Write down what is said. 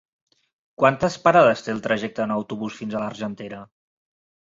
Quantes parades té el trajecte en autobús fins a l'Argentera?